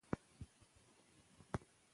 د دغه کتاب لوستل د هر افغان لپاره اړین دي.